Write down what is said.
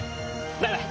バイバイ！